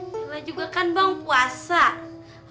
setelah juga kan bang puasa